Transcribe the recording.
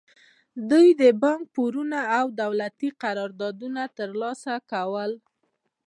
دوی د بانکي پورونه او دولتي قراردادونه ترلاسه کول.